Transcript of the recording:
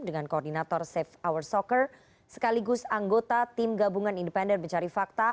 dengan koordinator safe hour soccer sekaligus anggota tim gabungan independen mencari fakta